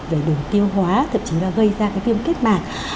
về đường tiêu hóa thậm chí nó gây ra cái viêm kết mạng